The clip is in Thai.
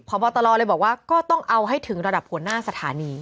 พบตลเลยบอกว่าก็ต้องเอาให้ถึงระดับหัวหน้าสถานี